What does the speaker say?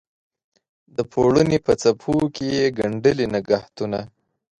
د پوړنې په څپو کې یې ګنډلي نګهتونه